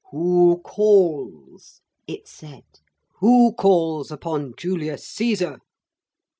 'Who calls?' it said. 'Who calls upon Julius Caesar?'